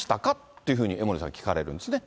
っていうふうに江森さん聞かれるんですね。